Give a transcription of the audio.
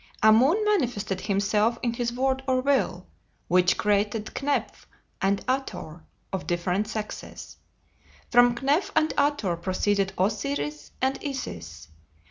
Amun manifested himself in his word or will, which created Kneph and Athor, of different sexes. From Kneph and Athor proceeded Osiris and Isis.